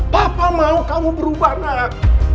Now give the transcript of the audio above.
papa mau kamu berubah nak